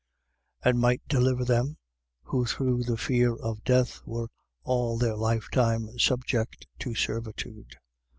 And might deliver them, who through the fear of death were all their lifetime subject to servitude.